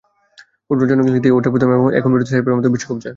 ফুটবলের জনক ইংলিশদের ওটাই প্রথম এবং এখন পর্যন্ত শেষবারের মতো বিশ্বকাপ জয়।